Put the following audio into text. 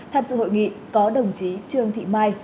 tham dự hội nghị có đồng chí trương thị mai